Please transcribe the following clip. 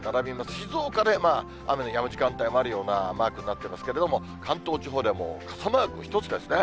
静岡で雨のやむ時間帯もあるようなマークになってますけれども、関東地方で、もう傘マーク一つですね。